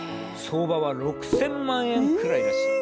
相場は６，０００万円くらいらしい。